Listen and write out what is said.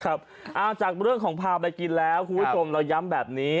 จากเรื่องของพาไปกินแล้วคุณผู้ชมเราย้ำแบบนี้